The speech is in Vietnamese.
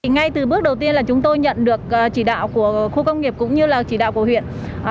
ngay từ bước đầu tiên là chúng tôi nhận được chỉ đạo của khu công nghiệp cũng như là chỉ đạo của huyện